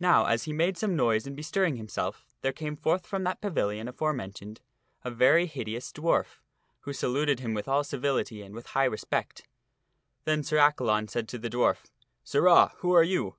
Now, as he made some noise in bestirring himself, there came forth from that pavilion aforementioned a very hideous dwarf, who saluted him with all civility and with high respect. Then Sir Accalon said to the dwarf, " Sirrah, who are you?"